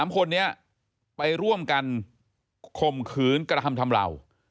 ๓คนนี้ไปร่วมกันข่มขืนกระทำทำเหล่า